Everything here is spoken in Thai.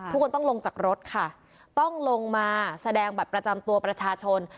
ทุกคนต้องลงจากรถค่ะต้องลงมาแสดงบัตรประจำตัวประชาชน